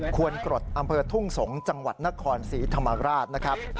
ควรกรดอำเภอทุ่งสงศ์จังหวัดนครศรีธรรมราชนะครับ